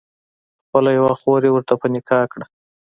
خپله یوه خور یې ورته په نکاح کړه.